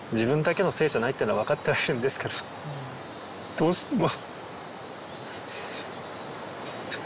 どうしても。